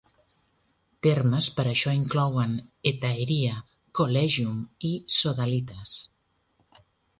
Termes per això inclouen "hetaeria", "collegium" i "sodalitas".